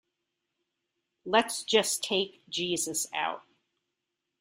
Let's just take Jesus out.